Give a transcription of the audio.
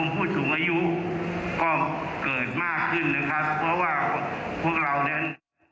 ผู้สูงอายุก็เกิดมากขึ้นนะครับเพราะว่าพวกเรานั้น